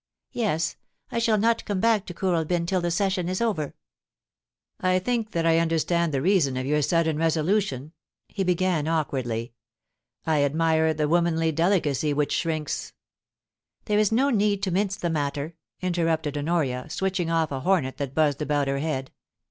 Yes ; I shall not come back to Kooralbyn till the session is over.' * I think that I understand the reason of your sudden THE LIPS THA T IVERE NEAREST. 207 resolution/ he began, awkwardly. * I admire the womanly delicacy which shrinks ' 'There is no need to mince the matter/ interrupted Honoria, switching off a hornet that buzzed about her head.